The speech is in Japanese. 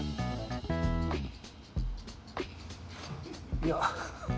いや。